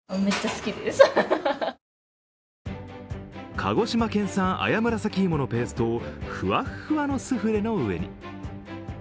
鹿児島県産綾紫芋のペーストをフワフワのスフレの上に。